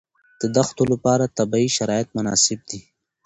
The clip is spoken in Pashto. د دښتو لپاره طبیعي شرایط مناسب دي.